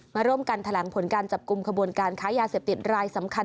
มาร่วมกันแถลงผลการจับกลุ่มขบวนการค้ายาเสพติดรายสำคัญ